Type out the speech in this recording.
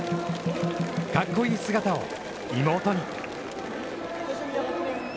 格好いい姿を妹に。